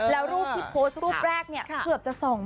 แล้วรูปที่โพสต์รูปแรกเนี่ยเกือบจะ๒๐๐